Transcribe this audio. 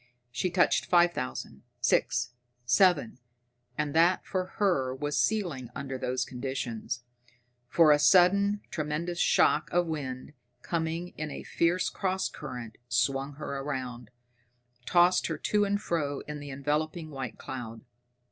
She touched five thousand, six, seven and that, for her, was ceiling under those conditions, for a sudden tremendous shock of wind, coming in a fierce cross current, swung her round, tossed her to and fro in the enveloping white cloud.